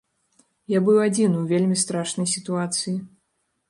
Я быў адзін у вельмі страшнай сітуацыі.